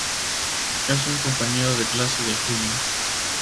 Es un compañero de clases de Juli.